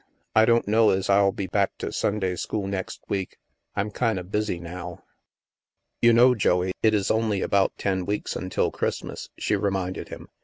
I don't know ez I'll be back to Sunday school next week. I'm kinda busy, now." " You know, Joey, it is only about ten weeks un til Christmas," she reminded him.